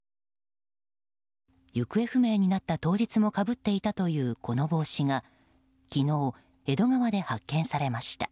行方不明になった当日もかぶっていたというこの帽子が、昨日江戸川で発見されました。